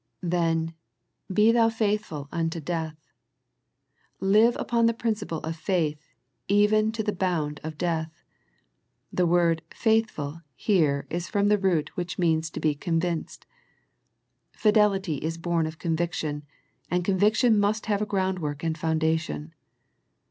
Then " Be thou faithful unto death," live upon the principle of faith even to the bound of death. The word *' faithful " here is from the root which means to be convinced. Fidel ity is born of conviction, and conviction must have a groundwork and foundation.